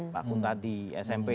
pak kun tadi smp